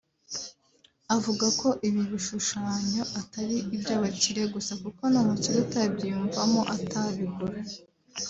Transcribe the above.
Avuga ko ibi bishushanyo atari iby’abakire gusa kuko n’umukire utabyiyumvamo atabigura